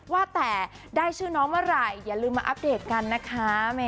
ว่าแต่ได้ชื่อน้องเมื่อไหร่อย่าลืมมาอัปเดตกันนะคะ